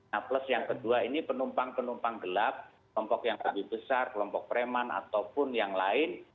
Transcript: nah plus yang kedua ini penumpang penumpang gelap kelompok yang lebih besar kelompok preman ataupun yang lain